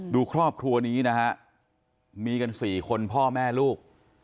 ดูครอบครัวนี้นะฮะมีกัน๔คนพ่อแม่ลูก